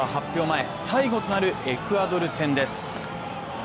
前最後となるエクアドル戦です。